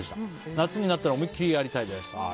夏になったら思いっきりやりたいです。